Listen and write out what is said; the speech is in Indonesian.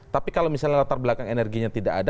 tapi kalau misalnya latar belakang energinya tidak ada